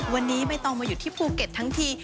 วันนี้ใบตองมาอยู่ที่ภูเก็ตทั้งที